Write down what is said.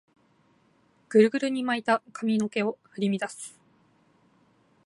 グルグルに巻いた髪の毛を振り乱す